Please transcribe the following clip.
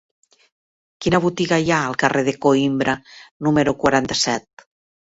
Quina botiga hi ha al carrer de Coïmbra número quaranta-set?